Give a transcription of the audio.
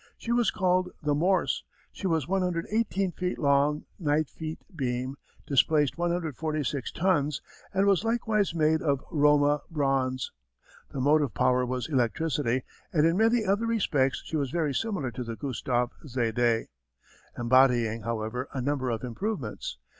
She was called the Morse. She was 118 feet long, 9 feet beam, displaced 146 tons, and was likewise made of "Roma" bronze. The motive power was electricity and in many other respects she was very similar to the Gustave Zédé, embodying, however, a number of improvements.